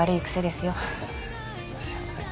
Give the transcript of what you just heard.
すいません。